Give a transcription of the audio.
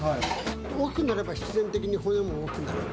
大きくなれば必然的に骨も大きくなる。